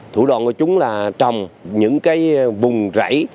thủ đoàn của chúng là trồng những vùng rẫy